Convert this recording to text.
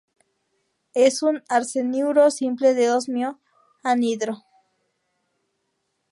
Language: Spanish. Es un arseniuro simple de osmio, anhidro.